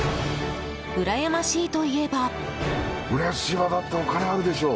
うらやましいといえば。